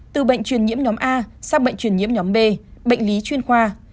từ bệnh truyền nhiễm nhóm a sang bệnh truyền nhiễm nhóm b bệnh lý chuyên khoa